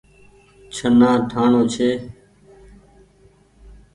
ڇهنآ ٺآڻو ڇي۔